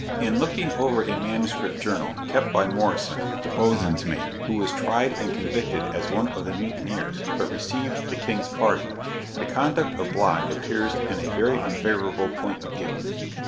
In looking over a manuscript journal, kept by Morrison, the boatswain's mate, who was tried and convicted as one of the mutineers, but received the king's pardon, the conduct of Bligh appears in a very unfavourable point of view.